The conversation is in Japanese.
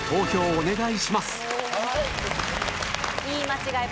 お願いします